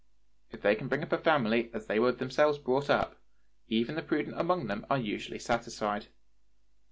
If they can bring up a family as they were themselves brought up, even the prudent among them are usually satisfied.